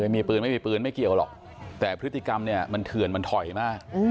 ไม่มีปืนไม่มีปืนไม่เกี่ยวหรอกแต่พฤติกรรมเนี่ยมันเถื่อนมันถอยมาก